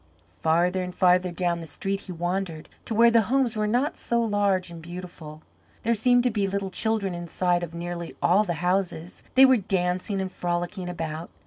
Farther and farther down the street he wandered, to where the homes were not so large and beautiful. There seemed to be little children inside of nearly all the houses. They were dancing and frolicking about.